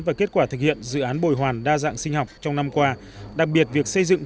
và kết quả thực hiện dự án bồi hoàn đa dạng sinh học trong năm qua đặc biệt việc xây dựng